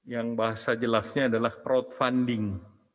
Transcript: yang bahasa jelasnya adalah crowdfunding